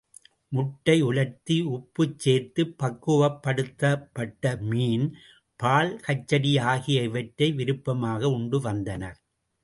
முட்டை, உலர்த்தி, உப்புச் சேர்த்துப் பக்குவப்படுத்தப்பட்ட மீன், பால் கச்டி ஆகிய இவற்றை விருப்பமாக உண்டு வந்ததனர்.